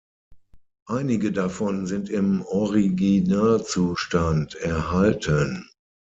Einige davon sind im Originalzustand erhalten.